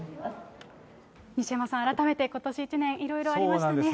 西山さん、改めてことし一年いろいろありましたね。